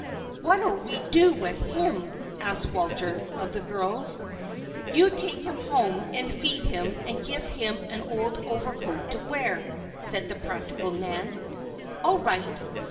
"What'll we do with him?" asked Walter, of the girls. "You take him home and feed him and give him an old overcoat to wear," said the practical Nan. "All right."